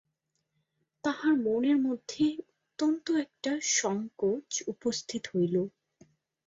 তাঁহার মনের মধ্যে অত্যন্ত একটা সংকোচ উপস্থিত হইল।